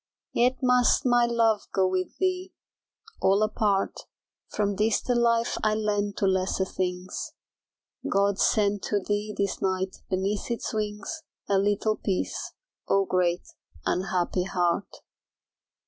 Yet must my love go with thee all apart From this the life I lend to lesser things; God send to thee this night beneath its wings, A little peace, Oh, great unhappy heart.